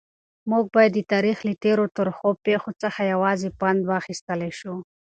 موږ باید د تاریخ له تېرو ترخو پیښو څخه یوازې پند واخیستلای شو.